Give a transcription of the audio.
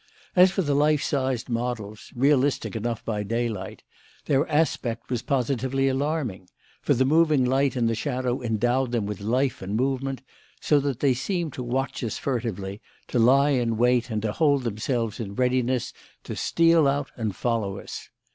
As for the life sized models realistic enough by daylight their aspect was positively alarming; for the moving light and shadow endowed them with life and movement, so that they seemed to watch us furtively, to lie in wait and to hold themselves in readiness to steal out and follow us.